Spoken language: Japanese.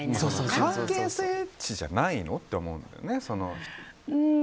関係性じゃないのって思うんですよね。